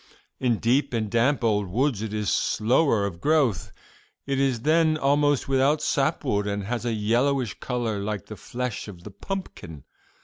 In deep and damp old woods it is slower of growth; it is then almost without sap wood and has a yellowish color like the flesh of the pumpkin.